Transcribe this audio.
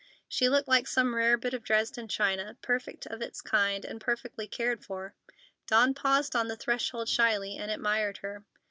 She looked like some rare bit of Dresden china, perfect of its kind, and perfectly cared for. Dawn paused on the threshold shyly and admired her.